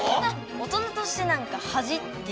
大人として何か恥っていうのが。